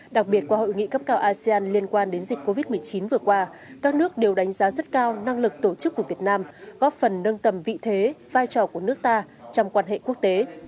đặc biệt qua hội nghị cấp cao asean liên quan đến dịch covid một mươi chín vừa qua các nước đều đánh giá rất cao năng lực tổ chức của việt nam góp phần nâng tầm vị thế vai trò của nước ta trong quan hệ quốc tế